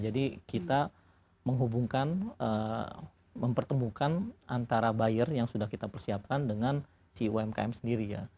kita menghubungkan mempertemukan antara buyer yang sudah kita persiapkan dengan si umkm sendiri ya